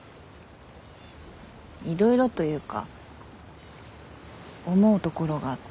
いろいろというか思うところがあって。